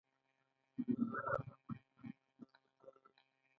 لوی ننګرهار د افغانستان په ختیځ کې پروت دی.